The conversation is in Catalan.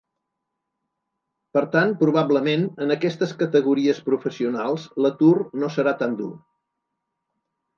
Per tant, probablement, en aquestes categories professionals, l’atur no serà tan dur.